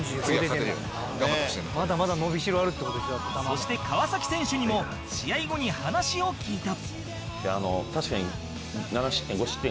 そして川選手にも試合後に話を聞いた